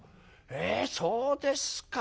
えそうですか。